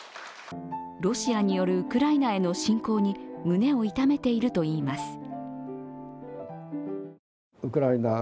ロシアによるウクライナへの侵攻に胸を痛めているといいます。